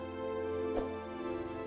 dia tau engga